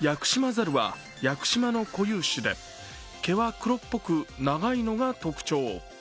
ヤクシマザルは屋久島の固有種で毛は黒っぽく長いのが特徴。